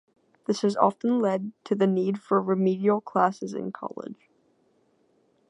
This has often led to the need for remedial classes in college.